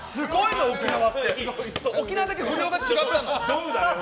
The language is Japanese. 沖縄だけ不良が違ったの。